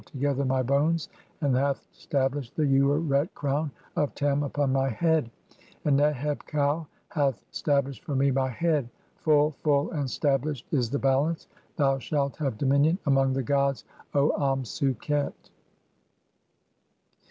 together my bones, and "hath stablished the Ureret crown of Tem [upon my head] ; "and Neheb kau hath (5) stablished for me my head. Full, full, "and stablished is the Balance. Thou shalt have dominion among "the gods, O Amsu qet."